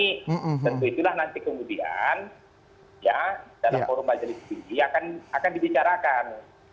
tentu itulah nanti kemudian ya dalam forum majelis tinggi akan dibicarakan